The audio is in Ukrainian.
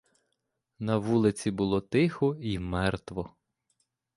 На вулиці було тихо й мертво.